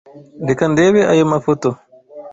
Reka ndebe ayo mafoto.